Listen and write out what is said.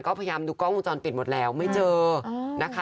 ก็พยายามดูกล้องวงจรปิดหมดแล้วไม่เจอนะคะ